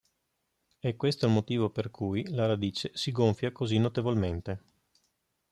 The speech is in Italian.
È questo il motivo per cui la radice si gonfia così notevolmente.